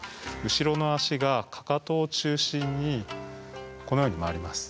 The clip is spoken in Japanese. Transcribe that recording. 後ろの足がかかとを中心にこのように回ります。